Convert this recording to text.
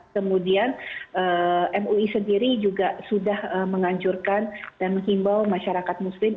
kemudian mui sendiri juga sudah mengancurkan dan menghimbau masyarakat muslim